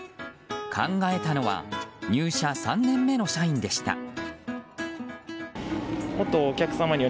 考えたのは入社３年目の社員でした。